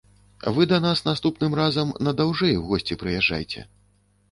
Вы да нас наступным разам на даўжэй у госці прыязджайце.